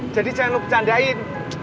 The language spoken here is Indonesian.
jadi jangan lo kecandain